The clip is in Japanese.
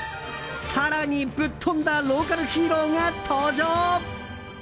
更にぶっ飛んだローカルヒーローが登場。